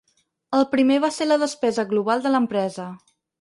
El primer va ser la despesa global de l'empresa.